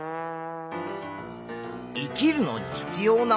生きるのに必要なものは？